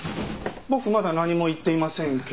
僕まだ何も言っていませんけど。